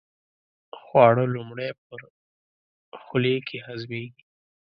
خواړه لومړی په خولې کې هضمېږي.